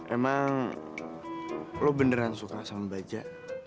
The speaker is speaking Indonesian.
emang lo beneran suka sama baja